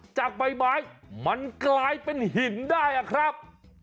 จากใบไม้มันกลายเป็นหินได้อะครับ